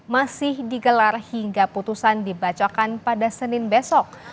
masih digelar hingga putusan dibacakan pada senin besok